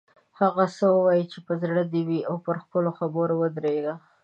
هغه څه ووایه چې په زړه دې وي او پر خپلو خبرو ودریږه.